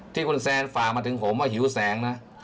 ที่คุณแซนฝากมาถึงผมว่าหิวแสงนะ